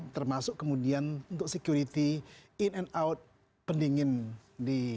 termasuk kemudian untuk security in and out pendingin di